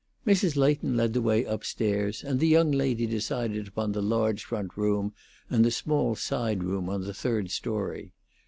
Mrs. Leighton led the way up stairs, and the young lady decided upon the large front room and small side room on the third story.